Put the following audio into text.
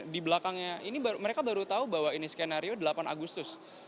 di belakangnya ini mereka baru tahu bahwa ini skenario delapan agustus